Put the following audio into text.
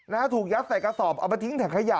นะฮะถูกยัดใส่กระสอบเอามาทิ้งถังขยะ